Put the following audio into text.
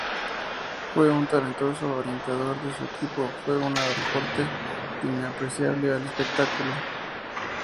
Fue un talentoso orientador de su equipo, fue un aporte inapreciable al espectáculo.